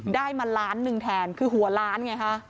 ได้มาล้านหนึ่งแทนคือหัวล้านไงคะ